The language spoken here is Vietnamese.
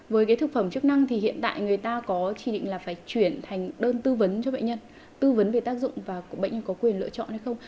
với cái thực phẩm chức năng thì hiện tại người ta có chỉ định là phải chuyển thành đơn tư vấn cho bệnh nhân tư vấn về tác dụng và bệnh nhân có quyền lựa chọn hay không